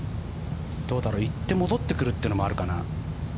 どうだろう、行って戻ってくるっていうのもあるかな？